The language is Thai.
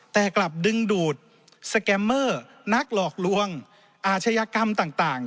แต่กลับดึงดูดสแกมเมอร์นักหลอกลวงอาชญากรรมต่าง